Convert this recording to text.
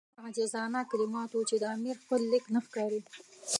دومره عاجزانه کلمات وو چې د امیر خپل لیک نه ښکاري.